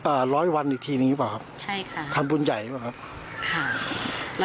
อ่าร้อยวันอีกทีหนึ่งหรือเปล่าครับใช่ค่ะทำบุญใหญ่หรือเปล่าครับค่ะ